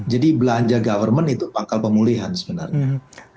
jadi belanja pemerintah itu pangkal pemulihan sebenarnya